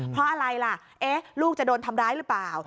เพราะอะไรล่ะลูกจะโดนทำร้ายหรือเปล่า